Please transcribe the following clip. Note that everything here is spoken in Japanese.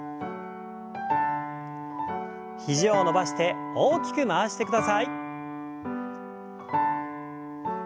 肘を伸ばして大きく回してください。